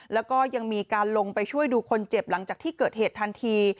แล้วก็ยังมีการลงไปช่วยดูคนเจ็บหลังจากที่เกิดเหตุทันที